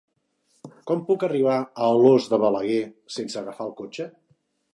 Com puc arribar a Alòs de Balaguer sense agafar el cotxe?